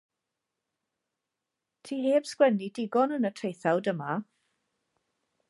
Ti heb sgwennu digon yn y traethawd yma.